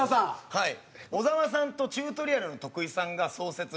はい。